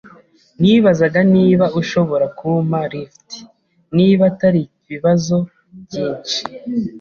Nibazaga niba ushobora kumpa lift, niba atari ibibazo byinshi.